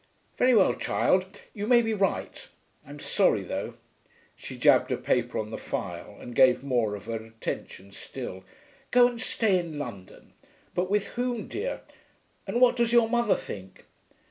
'Very well, child. You may be right. I'm sorry, though....' She jabbed a paper on the file, and gave more of her attention still. 'Go and stay in London.... But with whom, dear? And what does your mother think?'